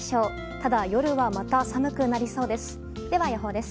ただ夜は、また寒くなりそうです。